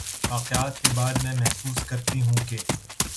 واقعات کے بعد میں محسوس کرتی ہوں کہ